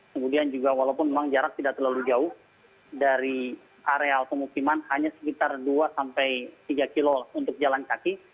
kemudian juga walaupun memang jarak tidak terlalu jauh dari area pemukiman hanya sekitar dua sampai tiga kilo untuk jalan kaki